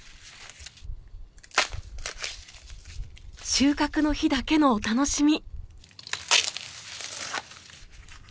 収穫の日だけのお楽しみ。